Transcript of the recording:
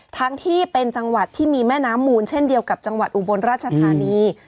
ทั้งที่เป็นจังหวัดที่มีแม่น้ำมูลเช่นเดียวกับจังหวัดอุบลราชธานี